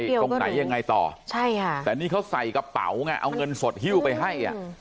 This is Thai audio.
ตรงไหนยังไงต่อใช่ค่ะแต่นี่เขาใส่กระเป๋าไงเอาเงินสดฮิ้วไปให้อ่ะ